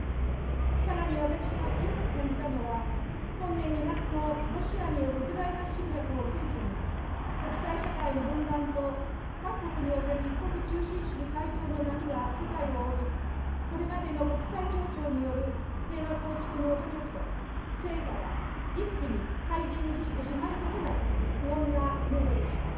さらに、私が強く感じたのは、本年２月のロシアによるウクライナ侵略を契機に、国際社会の分断と各国における一国中心主義台頭の波が世界を覆い、これまでの国際協調による平和構築の努力と成果が一気に灰じんに帰してしまいかねない、不穏なムードでした。